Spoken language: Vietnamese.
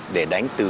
để đánh từ